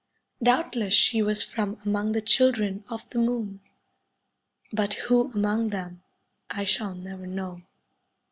Doubtless she was from among the children of the Moon, but who among them I shall never know.